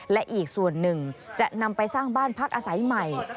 และอีกส่วนหนึ่งจะนำไปสร้างบ้านพักอาศัยใหม่